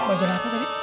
majalah apa tadi